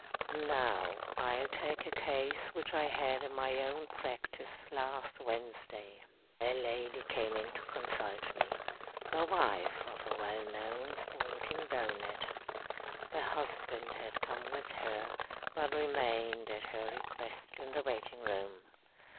"Now, I'll take a case which I had in my own practice last Wednesday. A lady came in to consult me the wife of a well known sporting baronet. The husband had come with her, but remained, at her request, in the waiting room.